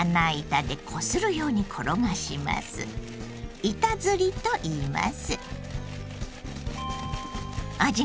板ずりといいます。